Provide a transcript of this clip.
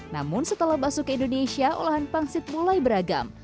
namun setelah bakso ke indonesia olahan pangsit mulai beragam